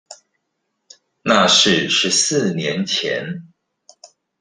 那是十四年前